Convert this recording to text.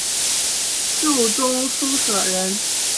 授中书舍人。